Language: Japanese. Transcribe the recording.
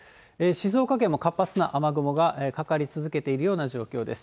静岡県も活発な雨雲がかかり続けているような状況です。